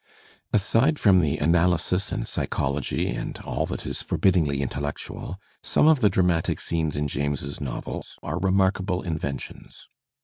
Aside from the analysis and psychology and all that is forbiddingly intellectual, some of the dramatic scenes in James's novels are remarkable inventions.